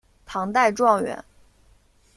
唐代状元。